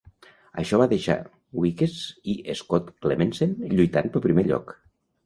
Això va deixar Weekes i Scott Clemmensen lluitant pel primer lloc.